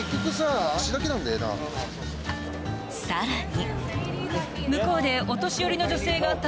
更に。